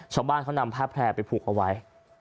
ชาวบ้านเขานำผ้าแพร่ไปผูกเอาไว้